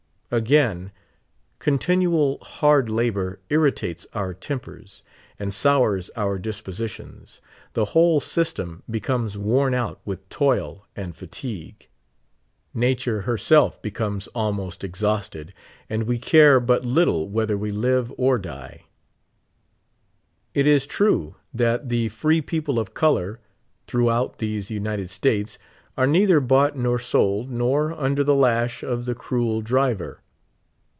Again. Continual hard labor irritates our tempers and sours our dispositions ; the whole system becomes worn out with toil and fatigue ; nature herself becomes almost exhausted, and we care but little whether we live or die. It is true, that the free people of color throughout these United States are neither bought nor sold, nor under the lash of the cruel driver.